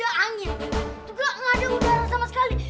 ini kan gak ada angin gak ada udara sama sekali